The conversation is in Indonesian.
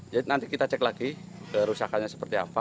jadi nanti kita cek lagi rusakannya seperti apa